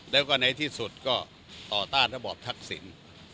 แล้วก็ในที่สุดก็ต่อต้านระบอบทักษิณ